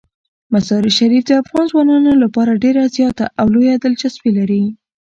مزارشریف د افغان ځوانانو لپاره ډیره زیاته او لویه دلچسپي لري.